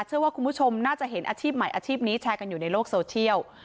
เชื่อว่าคุณผู้ชมน่าจะเห็นอาชีพใหม่อาชีพนี้แชร์กันอยู่ในโลกโซเชียล